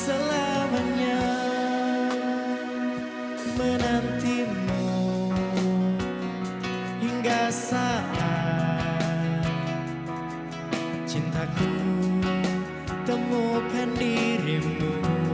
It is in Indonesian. selamanya menantimu hingga saat cintaku temukan dirimu